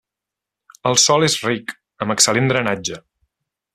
El sòl és ric amb excel·lent drenatge.